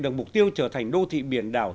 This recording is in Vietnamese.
đồng mục tiêu trở thành đô thị biển đảo